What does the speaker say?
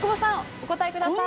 お答えください。